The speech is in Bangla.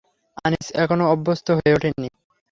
আনিস এখনো অভ্যস্ত হয়ে ওঠেনি।